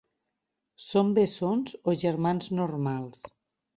Són bessons o germans normals?